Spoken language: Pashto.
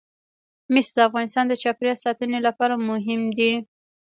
مس د افغانستان د چاپیریال ساتنې لپاره مهم دي.